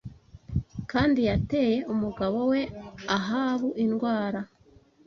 kandi yateye umugabo we Ahabu indwara